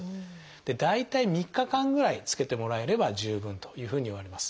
大体３日間ぐらいつけてもらえれば十分というふうにいわれます。